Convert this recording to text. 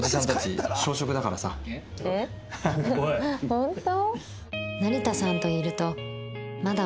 本当？